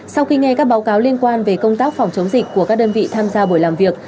sau khi nghe các báo cáo liên quan về công tác phòng chống dịch của các đơn vị tham gia buổi làm việc